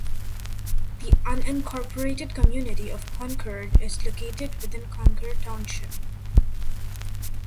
The unincorporated community of Concord is located within Concord Township.